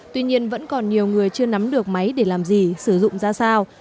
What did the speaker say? tuy nhiên vẫn còn nhiều người chưa nắm được máy để làm gì sử dụng ra sao